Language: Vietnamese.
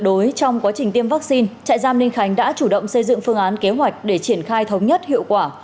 đối trong quá trình tiêm vaccine trại giam ninh khánh đã chủ động xây dựng phương án kế hoạch để triển khai thống nhất hiệu quả